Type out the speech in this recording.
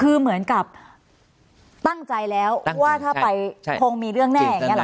คือเหมือนกับตั้งใจแล้วว่าถ้าไปคงมีเรื่องแน่อย่างนี้หรอ